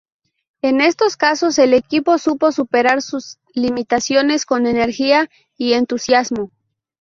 En estos casos el equipo supo superar sus limitaciones con energía y entusiasmo.